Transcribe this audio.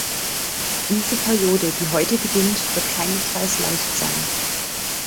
Diese Periode, die heute beginnt, wird keinesfalls leicht sein.